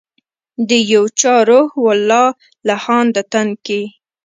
د یو چا روح و لا لهانده تن کي